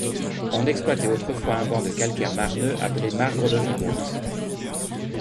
On exploitait autrefois un banc de calcaire marneux, appelé marbre de Ribaute.